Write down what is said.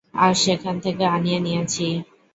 আজ সেখান থেকে আনিয়ে নিয়েছি।